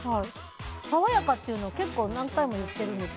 爽やかっていうの結構何回も言ってるんですよ。